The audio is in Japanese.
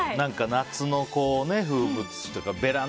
夏の風物詩というか。